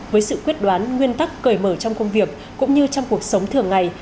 với sự quyết đoán nguyên tắc cởi mở trong công việc cũng như trong cuộc sống thường ngày